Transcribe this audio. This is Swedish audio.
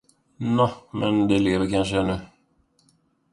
Nå, men de lever kanske ännu.